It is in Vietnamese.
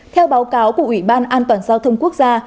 theo báo cáo của ủy ban an toàn giao thông quốc gia